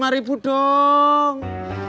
tambah lima ribu dong